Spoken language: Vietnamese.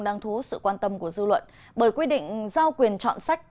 đang thú sự quan tâm của dư luận bởi quy định giao quyền chọn sách